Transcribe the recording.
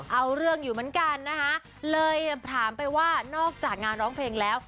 เอาเรื่องอยู่เหมือนกันนะคะเลยถามไปว่านอกจากงานร้องเพลงแล้ว